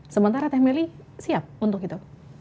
sementara teh meli siap untuk itu